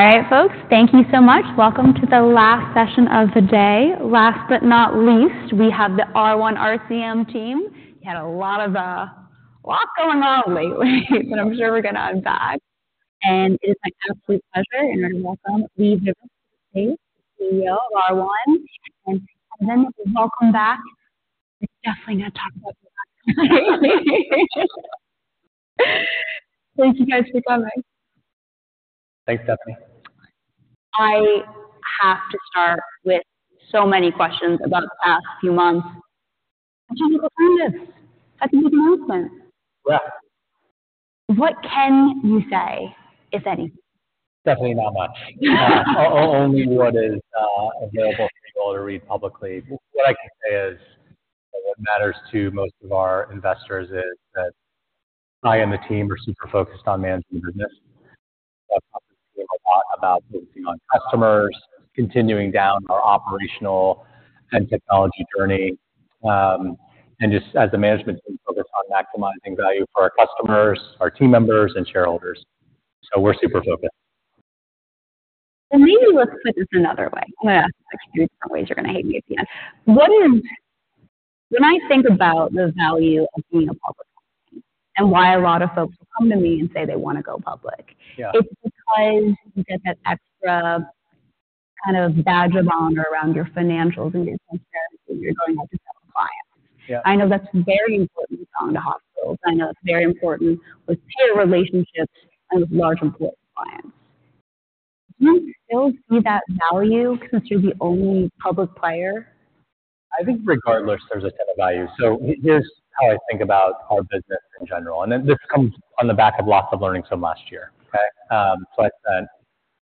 All right, folks, thank you so much. Welcome to the last session of the day. Last but not least, we have the R1 RCM team. You had a lot of lot going on lately, but I'm sure we're gonna have back. It's my absolute pleasure in order to welcome Lee Rivas, CEO of R1. Welcome back. We're definitely going to talk about that. Thank you guys for coming. Thanks, Stephanie. I have to start with so many questions about the past few months. I want to go through this. That's an announcement. Yeah. What can you say, if anything? Definitely not much. Only what is available for people to read publicly. What I can say is, what matters to most of our investors is that I and the team are super focused on managing the business. A lot about focusing on customers, continuing down our operational and technology journey, and just as a management team, focused on maximizing value for our customers, our team members, and shareholders. So we're super focused. Well, maybe let's put this another way. I'm gonna ask you different ways. You're gonna hate me at the end. What is... When I think about the value of being a public company and why a lot of folks come to me and say they wanna go public- Yeah. It's because you get that extra kind of badge of honor around your financials and your transparency, you're going out to sell clients. Yeah. I know that's very important to hospitals. I know it's very important with peer relationships and with large important clients. Do you still see that value since you're the only public player? I think regardless, there's a ton of value. So here's how I think about our business in general, and then this comes on the back of lots of learnings from last year, okay? So I said,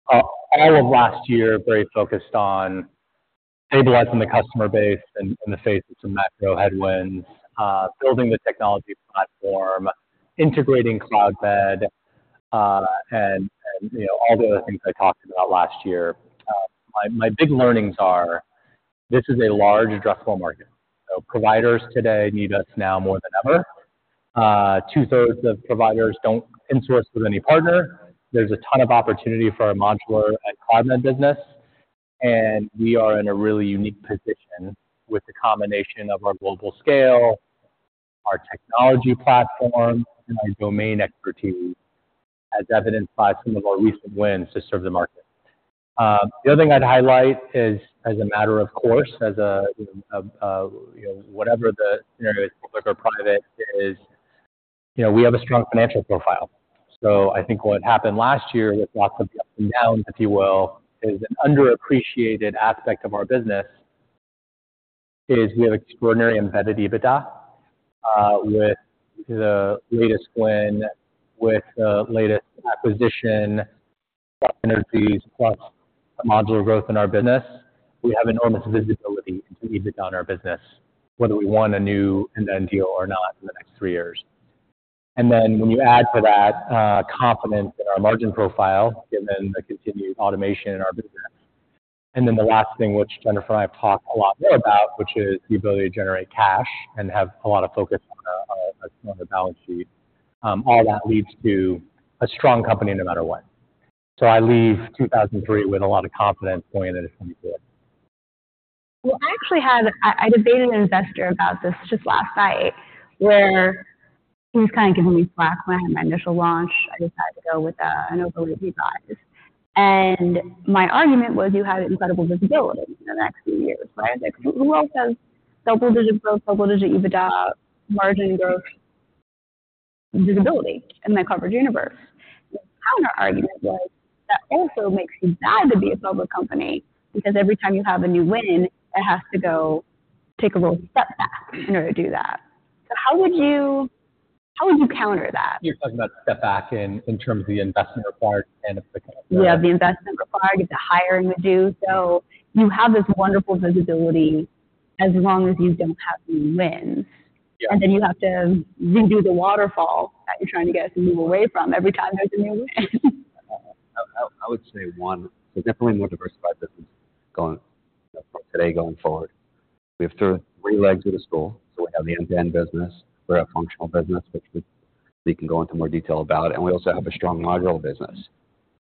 all of last year, very focused on stabilizing the customer base and in the face of some macro headwinds, building the technology platform, integrating Cloudmed, and you know, all the other things I talked about last year. My big learnings are this is a large addressable market, so providers today need us now more than ever. Two-thirds of providers don't outsource with any partner. There's a ton of opportunity for our modular and Cloudmed business, and we are in a really unique position with the combination of our global scale, our technology platform, and our domain expertise, as evidenced by some of our recent wins to serve the market. The other thing I'd highlight is, as a matter of course, you know, whatever the scenario is, public or private, you know, we have a strong financial profile. So I think what happened last year with lots of ups and downs, if you will, is an underappreciated aspect of our business, is we have extraordinary embedded EBITDA with the latest win, with the latest acquisition, Acclara, plus the modular growth in our business. We have enormous visibility into EBITDA in our business, whether we want a new end-to-end deal or not in the next three years. And then when you add to that, confidence in our margin profile, given the continued automation in our business. And then the last thing which Jennifer and I have talked a lot more about, which is the ability to generate cash and have a lot of focus on the balance sheet, all that leads to a strong company no matter what. So I leave 2023 with a lot of confidence going into 2024. Well, I actually had—I, I debated an investor about this just last night, where he was kind of giving me flak when my initial launch, I decided to go with an overly revised. And my argument was, you had incredible visibility in the next few years, right? Who else has double-digit growth, double-digit EBITDA, margin growth, visibility in the coverage universe? The counterargument was, that also makes you tied to be a public company, because every time you have a new win, it has to go take a little step back in order to do that. So how would you, how would you counter that? You're talking about step back in terms of the investment required and the... Yeah, the investment required, the hiring you do. So you have this wonderful visibility as long as you don't have any wins. Yeah. And then you have to redo the waterfall that you're trying to get us to move away from every time there's a new win. I would say one, there's definitely more diversified business going on today going forward. We have three legs of the stool. So we have the end-to-end business, we have a functional business, which we can go into more detail about, and we also have a strong modular business.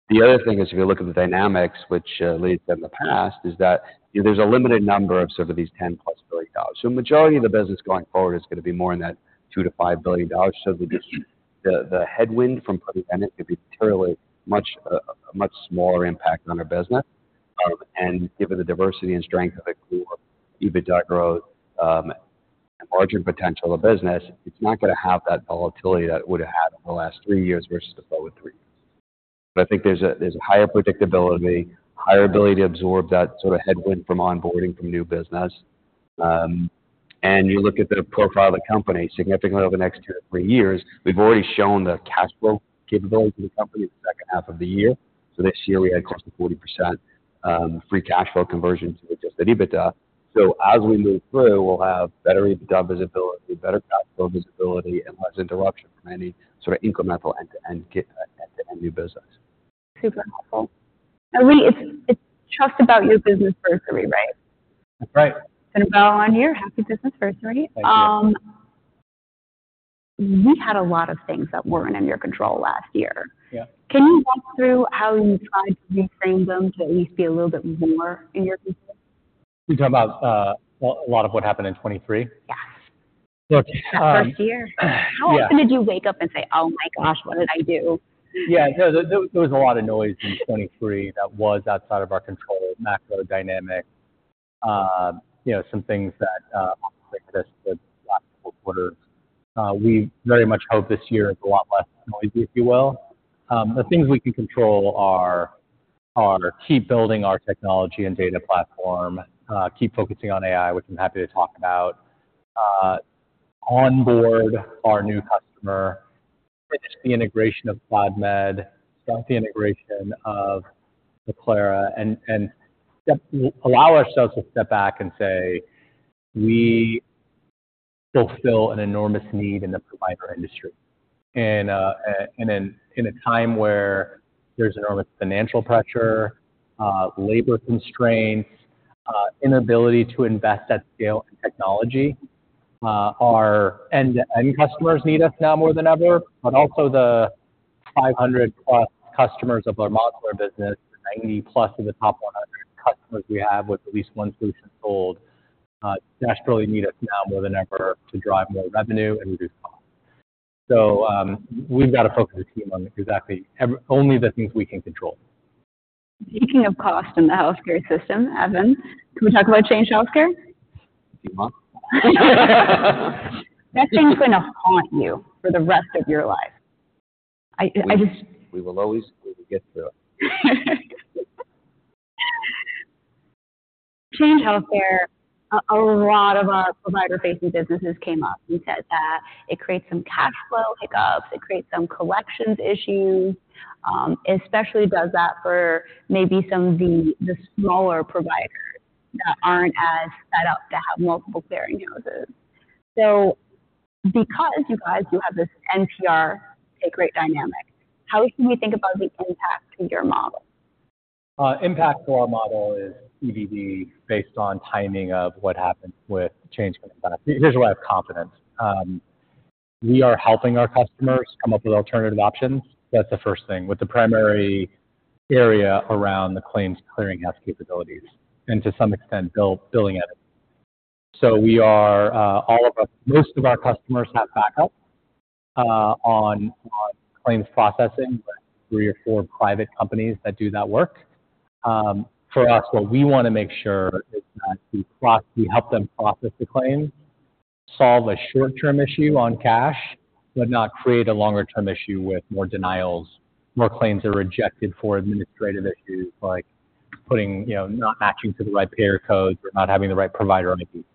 The other thing is, if you look at the dynamics, which led in the past, is that there's a limited number of sort of these $10+ billion. So majority of the business going forward is going to be more in that $2 billion-$5 billion. So the headwind from pursuing end-to-end could be materially a much smaller impact on our business. And given the diversity and strength of the EBITDA growth, and margin potential of business, it's not gonna have that volatility that it would have had over the last three years versus the forward three years. But I think there's a higher predictability, higher ability to absorb that sort of headwind from onboarding from new business. And you look at the profile of the company, significantly over the next two to three years, we've already shown the cash flow capability of the company in the second half of the year. So this year, we had close to 40%, free cash flow conversion to adjusted EBITDA. So as we move through, we'll have better EBITDA visibility, better cash flow visibility, and less interruption from any sort of incremental end-to-end new business. Super helpful. And Lee, it's just about your business birthday, right? That's right. Put a bow on here. Happy business birthday. Thank you.... We had a lot of things that weren't in your control last year. Yeah. Can you walk through how you tried to reframe them to at least be a little bit more in your control? You talking about a lot of what happened in 2023? Yes. Look, um- That first year. Yeah. How often did you wake up and say, "Oh, my gosh, what did I do? Yeah, no, there was a lot of noise in 2023 that was outside of our control, macro dynamic. You know, some things that, like this, the last four quarters. We very much hope this year is a lot less noisy, if you will. The things we can control are keep building our technology and data platform, keep focusing on AI, which I'm happy to talk about, onboard our new customer, finish the integration of Cloudmed, start the integration of Acclara, and allow ourselves to step back and say, "We fulfill an enormous need in the provider industry." And in a time where there's enormous financial pressure, labor constraints, inability to invest at scale in technology, our end-to-end customers need us now more than ever, but also the 500 plus customers of our modular business, 90+ of the top 100 customers we have with at least one solution sold, desperately need us now more than ever to drive more revenue and reduce costs. So, we've got to focus the team on exactly every... Only the things we can control. Speaking of cost in the healthcare system, Evan, can we talk about Change Healthcare? If you want. That thing's gonna haunt you for the rest of your life. I just- We will always, we will get through it. Change Healthcare, a lot of our provider-facing businesses came up and said that it creates some cash flow hiccups, it creates some collections issues, especially does that for maybe some of the smaller providers that aren't as set up to have multiple clearinghouses. So because you guys do have this NPR take rate dynamic, how can we think about the impact to your model? Impact to our model is TBD, based on timing of what happens with Change Healthcare. Here's why I have confidence. We are helping our customers come up with alternative options. That's the first thing, with the primary area around the claims clearinghouse capabilities and to some extent, billing editing. So we are, most of our customers have backup on claims processing, three or four private companies that do that work. For us, what we wanna make sure is that we help them process the claim, solve a short-term issue on cash, but not create a longer-term issue with more denials. More claims are rejected for administrative issues like putting, you know, not matching to the right payer codes or not having the right provider on a piece.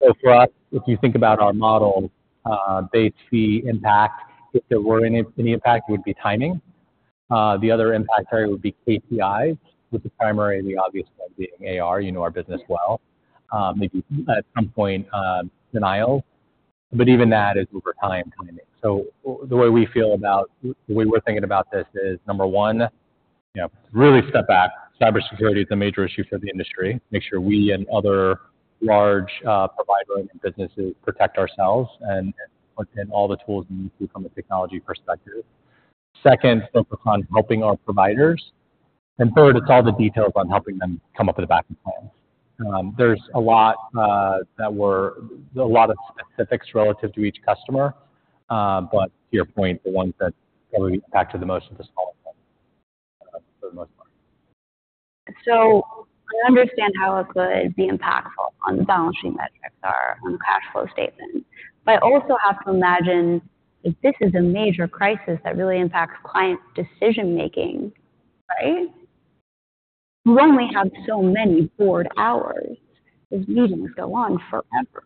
So for us, if you think about our model, the impact, if there were any impact, it would be timing. The other impact area would be KPIs, with the primary, the obvious one being AR. You know our business well. Maybe at some point, denial, but even that is over time, timing. So the way we feel about... The way we're thinking about this is, number one, you know, really step back. Cybersecurity is a major issue for the industry. Make sure we and other large provider and businesses protect ourselves and put in all the tools we need from a technology perspective. Second, focus on helping our providers, and third, it's all the details on helping them come up with a backup plan. There's a lot, a lot of specifics relative to each customer, but to your point, the ones that probably impact you the most are the smaller ones, for the most part. So I understand how it could be impactful on the balance sheet, metrics are on the cash flow statement. But I also have to imagine, if this is a major crisis that really impacts clients' decision making, right? You only have so many board hours. These meetings go on forever.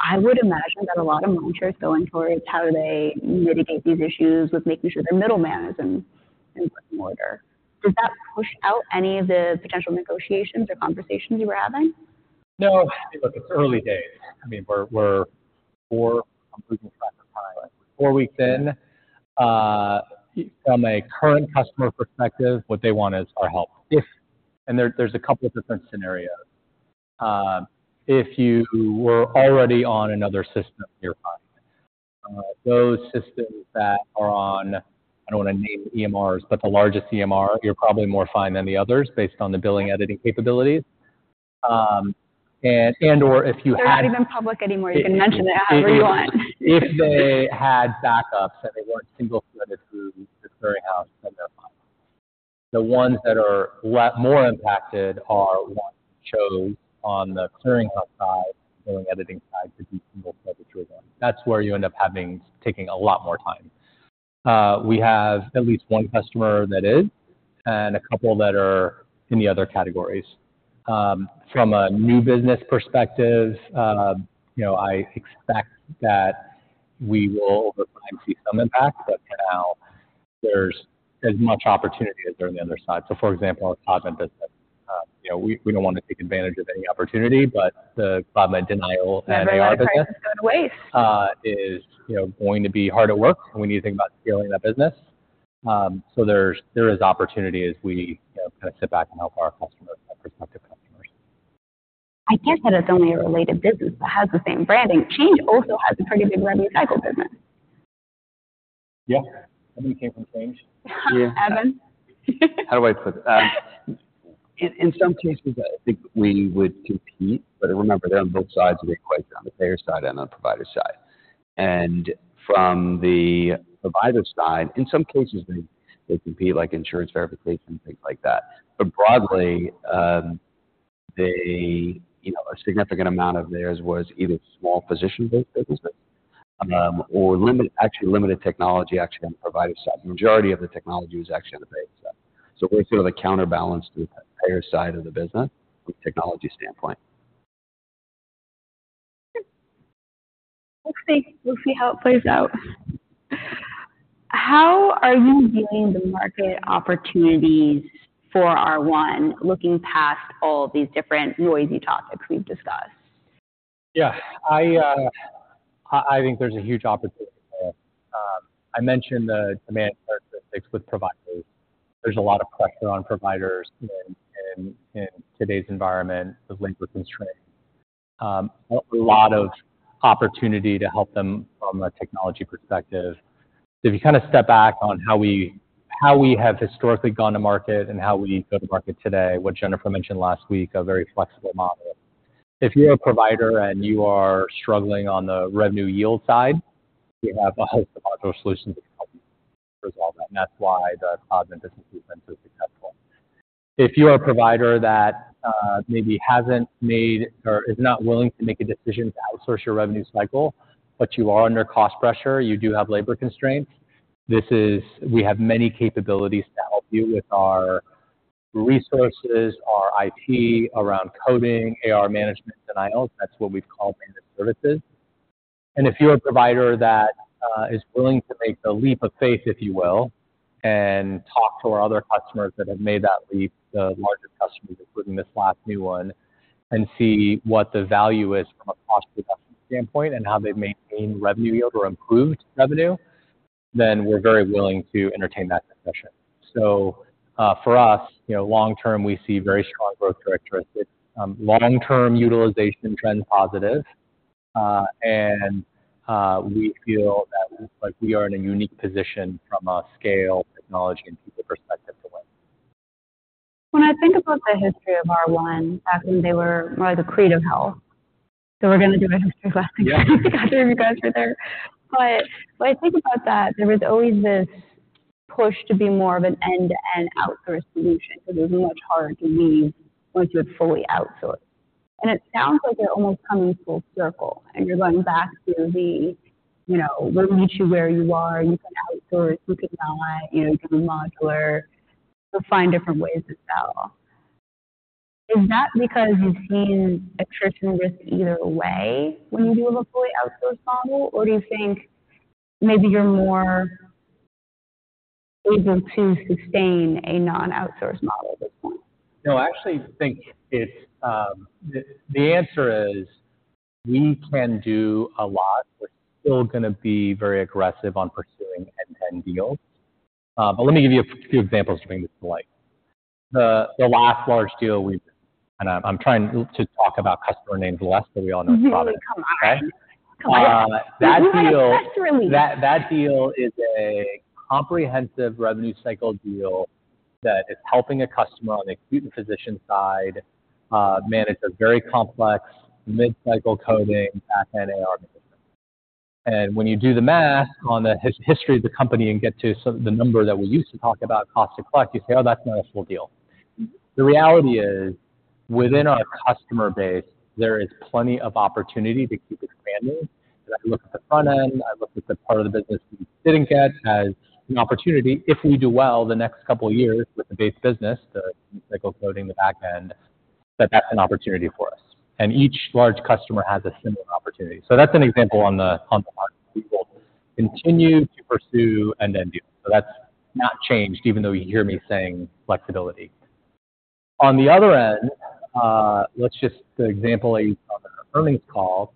I would imagine that a lot of management's going towards how do they mitigate these issues with making sure their middleman is in working order. Did that push out any of the potential negotiations or conversations you were having? No. Look, it's early days. I mean, we're four, including sometime, four weeks in. From a current customer perspective, what they want is our help. If... And there, there's a couple of different scenarios. If you were already on another system, you're fine. Those systems that are on, I don't want to name EMRs, but the largest EMR, you're probably more fine than the others based on the billing editing capabilities. And/or if you had- They're not even public anymore. You can mention it however you want. If they had backups and they weren't single threaded through the clearinghouse, then they're fine. The ones that are a lot more impacted are ones that chose on the clearinghouse side, doing editing side, to be single threaded through one. That's where you end up having, taking a lot more time. We have at least one customer that is and a couple that are in the other categories. From a new business perspective, you know, I expect that we will over time see some impact, but for now, there's as much opportunity as there on the other side. So, for example, our Cloudmed business, you know, we don't want to take advantage of any opportunity, but the Cloudmed denial and AR business- Going to waste. is, you know, going to be hard at work when you think about scaling that business. So there is opportunity as we, you know, kind of sit back and help our customers and prospective customers.... I can't say that it's only a related business that has the same branding. Change also has a pretty big revenue cycle business. Yeah, somebody came from Change. Evan? How do I put it? In some cases, I think we would compete, but remember, they're on both sides of the equation, on the payer side and on the provider side. And from the provider side, in some cases, they compete like insurance verification and things like that. But broadly, they, you know, a significant amount of theirs was either small physician-based business, or limited, actually limited technology actually on the provider side. Majority of the technology was actually on the payer side. So we're sort of the counterbalance to the payer side of the business from a technology standpoint. We'll see. We'll see how it plays out. How are you viewing the market opportunities for R1, looking past all these different noisy topics we've discussed? Yeah. I think there's a huge opportunity there. I mentioned the demand characteristics with providers. There's a lot of pressure on providers in today's environment with labor constraints. A lot of opportunity to help them from a technology perspective. If you kind of step back on how we have historically gone to market and how we go to market today, what Jennifer mentioned last week, a very flexible model. If you're a provider and you are struggling on the revenue yield side, we have a whole bunch of solutions that can help you resolve that, and that's why the cloud and business suite been so successful. If you are a provider that, maybe hasn't made or is not willing to make a decision to outsource your revenue cycle, but you are under cost pressure, you do have labor constraints, this is... We have many capabilities to help you with our resources, our IP around coding, AR management, denials. That's what we call managed services. And if you're a provider that, is willing to make the leap of faith, if you will, and talk to our other customers that have made that leap, the larger customers, including this last new one, and see what the value is from a cost standpoint and how they've maintained revenue yield or improved revenue, then we're very willing to entertain that discussion. So, for us, you know, long term, we see very strong growth characteristics. Long-term utilization trends positive, and we feel that like we are in a unique position from a scale, technology, and people perspective to win. When I think about the history of R1, back when they were more the Accretive Health, so we're going to do a history lesson. Yeah. Some of you guys were there. But when I think about that, there was always this push to be more of an end-to-end outsource solution. So it was much harder to leave once you had fully outsourced. And it sounds like they're almost coming full circle, and you're going back to the, you know, we'll meet you where you are. You can outsource, you could not, you know, you can be modular. We'll find different ways to sell. Is that because you've seen attrition risk either way when you go with a fully outsourced model? Or do you think maybe you're more able to sustain a non-outsourced model at this point? No, I actually think it's the answer is we can do a lot. We're still going to be very aggressive on pursuing end-to-end deals. But let me give you a few examples to bring this to life. The last large deal we've... And I'm trying to talk about customer names less, but we all know about it. Mm-hmm. Come on. Okay? Come on. that deal- We had a press release. That deal is a comprehensive revenue cycle deal that is helping a customer on the acute and physician side, manage a very complex mid-cycle coding and AR business. And when you do the math on the history of the company and get to the number that we used to talk about cost per click, you say, "Oh, that's not a full deal." The reality is, within our customer base, there is plenty of opportunity to keep expanding. As I look at the front end, I look at the part of the business we didn't get as an opportunity. If we do well the next couple of years with the base business, the cycle coding, the back end, that's an opportunity for us. And each large customer has a similar opportunity. So that's an example on the market. We will continue to pursue and then deal. So that's not changed, even though you hear me saying flexibility. On the other end, let's use the example I used on the earnings call.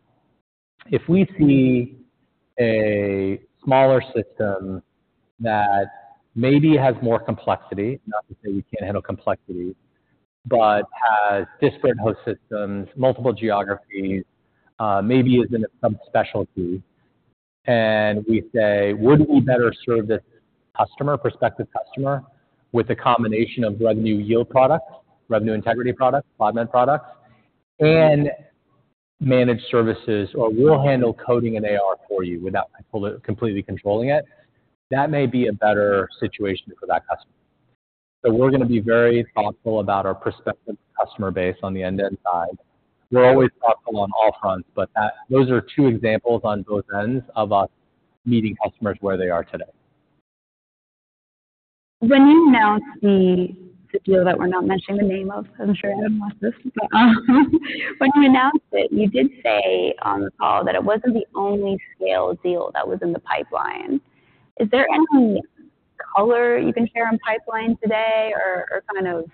If we see a smaller system that maybe has more complexity, not to say we can't handle complexity, but has disparate host systems, multiple geographies, maybe is in some specialty, and we say: Wouldn't we better serve this customer, prospective customer, with a combination of revenue cycle product, revenue integrity product, Cloudmed products, and managed services, or we'll handle coding and AR for you without completely controlling it? That may be a better situation for that customer. So we're going to be very thoughtful about our prospective customer base on the end-to-end side. We're always thoughtful on all fronts, but that... Those are two examples on both ends of us meeting customers where they are today. When you announced the deal that we're not mentioning the name of, I'm sure you don't want this, but when you announced it, you did say on the call that it wasn't the only scale deal that was in the pipeline. Is there any color you can share on pipeline today or kind of...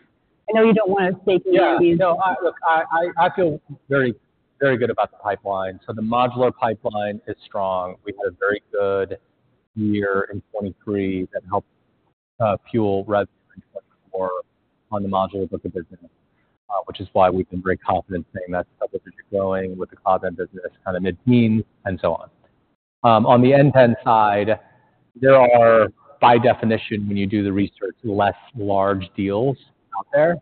I know you don't want to stake- Yeah. No, I look, I feel very, very good about the pipeline. So the modular pipeline is strong. We had a very good year in 2023 that helped fuel revenue or on the modular book of business, which is why we've been very confident saying that's where we're going with the Cloudmed business, kind of mid-teen and so on. On the end-to-end side, there are, by definition, when you do the research, less large deals out there.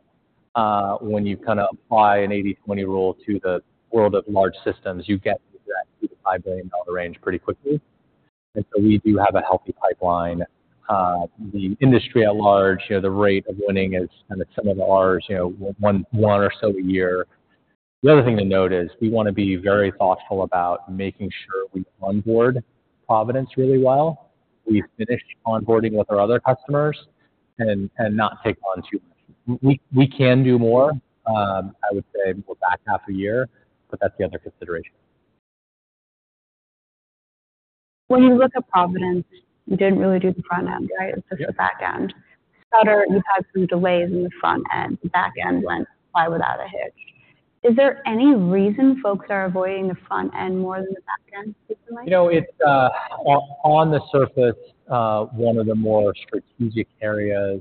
When you kind of apply an 80/20 rule to the world of large systems, you get to that $2 billion-$5 billion range pretty quickly. And so we do have a healthy pipeline. The industry at large, you know, the rate of winning is kind of similar to ours, you know, one or so a year. The other thing to note is we wanna be very thoughtful about making sure we onboard Providence really well. We've finished onboarding with our other customers and not take on too much. We can do more, I would say we're back half a year, but that's the other consideration. When you look at Providence, you didn't really do the front end, right? Yeah. It's just the back end. Sutter, you've had some delays in the front end. The back end went by without a hitch. Is there any reason folks are avoiding the front end more than the back end, do you think? You know, it's on the surface one of the more strategic areas,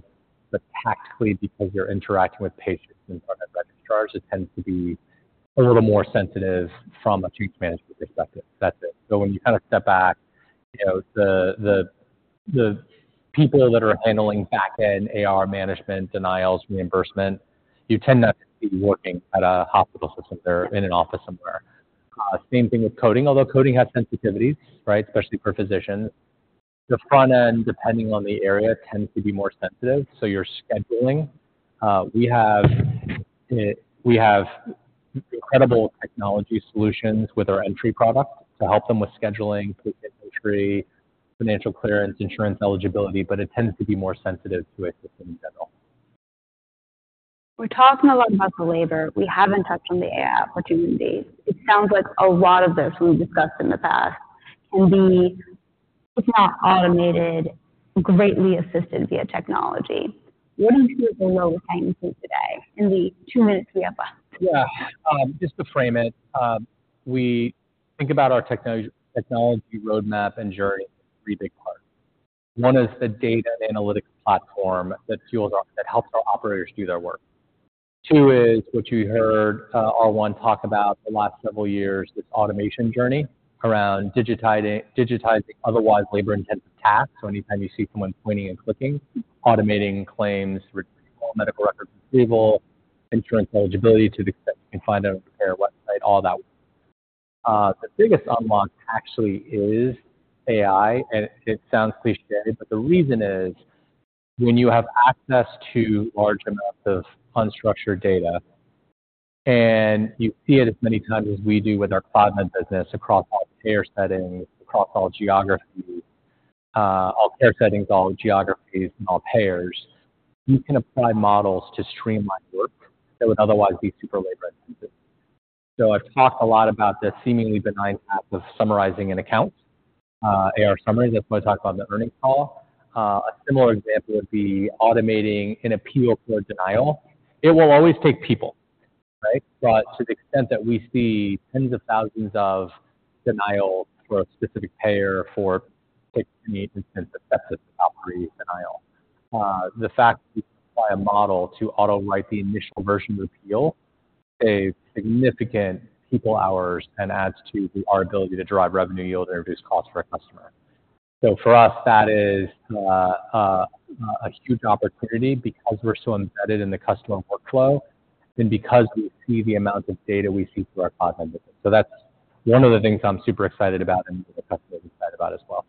but tactically because you're interacting with patients in front of registrars, it tends to be a little more sensitive from a change management perspective. That's it. So when you kind of step back, you know, the people that are handling back-end AR management, denials, reimbursement, you tend not to be working at a hospital system. They're in an office somewhere. Same thing with coding, although coding has sensitivities, right? Especially for physicians. The front end, depending on the area, tends to be more sensitive, so you're scheduling. We have incredible technology solutions with our R1 Entri to help them with scheduling, patient entry, financial clearance, insurance eligibility, but it tends to be more sensitive to a system in general. We're talking a lot about the labor. We haven't touched on the AI opportunities. It sounds like a lot of this we've discussed in the past can be, if not automated, greatly assisted via technology. What do you see as the low-hanging fruit today in the two minutes we have left? Yeah. Just to frame it, we think about our technology roadmap and journey in three big parts. One is the data and analytics platform that fuels our--that helps our operators do their work. Two is what you heard, R1 talk about the last several years, this automation journey around digitizing otherwise labor-intensive tasks. So anytime you see someone pointing and clicking, automating claims retrieval, medical records, approval, insurance eligibility to the extent we can find a payer website, all that. The biggest unlock actually is AI, and it sounds cliché, but the reason is when you have access to large amounts of unstructured data, and you see it as many times as we do with our Cloudmed business across all payer settings, across all geographies, all payer settings, all geographies, and all payers, you can apply models to streamline work that would otherwise be super labor intensive. So I've talked a lot about the seemingly benign task of summarizing an account, AR summaries. That's what I talked about in the earnings call. A similar example would be automating an appeal for a denial. It will always take people, right? But to the extent that we see tens of thousands of denials for a specific payer, for instance, pick any, effective denial, the fact that we apply a model to auto-write the initial version of appeal, save significant people hours and adds to our ability to drive revenue yield and reduce costs for our customer. So for us, that is a huge opportunity because we're so embedded in the customer workflow and because we see the amount of data we see through our cloud vendor. So that's one of the things I'm super excited about and the customers are excited about as well.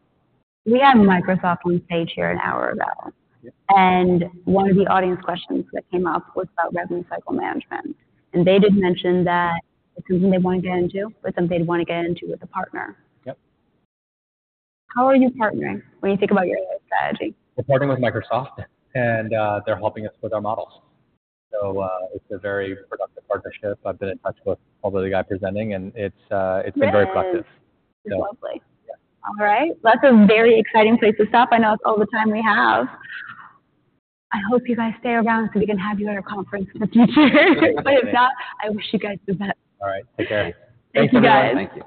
We had Microsoft on stage here an hour ago. Yeah. One of the audience questions that came up was about revenue cycle management, and they did mention that it's something they want to get into, or something they'd want to get into with a partner. Yep. How are you partnering when you think about your strategy? We're partnering with Microsoft, and they're helping us with our models. So, it's a very productive partnership. I've been in touch with all of the guy presenting, and it's been very productive. Yes. Lovely. Yeah. All right. That's a very exciting place to stop. I know it's all the time we have. I hope you guys stay around so we can have you at our conference in the future. Okay. If not, I wish you guys the best. All right. Take care. Thank you, guys. Thank you.